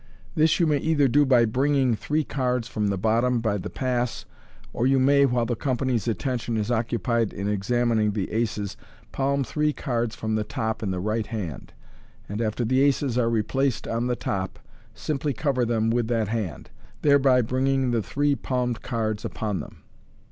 This you may either do by bringing three cards from the bottom by the pa*s, or you may, while the company's attention is occupied in examining the aces, palm three cards from the top in the right hand, and, after the aces are replaced on the top, simply cover them with that hand, thereby bringing the three palmed cards upon them.